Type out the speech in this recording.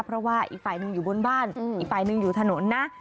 เพราะว่าอีกฝ่ายหนึ่งอยู่บนบ้านอีกฝ่ายหนึ่งอยู่ถนนนะ